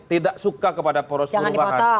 tidak suka kepada poros perubahan